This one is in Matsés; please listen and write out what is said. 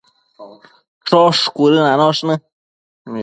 Chosh cuëdënanosh në